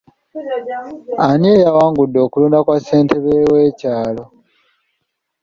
Ani eyawangudde okulonda kwa Ssentebe w'ekyalo?